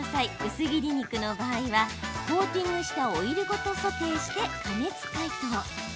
薄切り肉の場合はコーティングしたオイルごとソテーして加熱解凍。